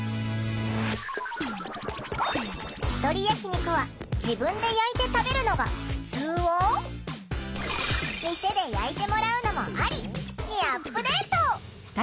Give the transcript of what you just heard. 「ひとり焼き肉は自分で焼いて食べるのがふつう」を「店で焼いてもらうのもアリ」にアップデート！